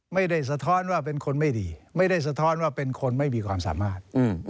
สะท้อนว่าเป็นคนไม่ดีไม่ได้สะท้อนว่าเป็นคนไม่มีความสามารถ